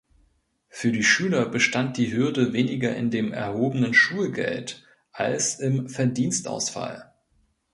Für die Schüler bestand die Hürde weniger in dem erhobenen Schulgeld als im Verdienstausfall.